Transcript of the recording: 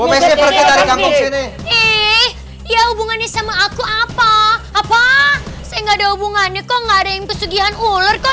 eh ya hubungannya sama aku apa apa saya enggak ada hubungannya kok ngarein kesugihan ular kau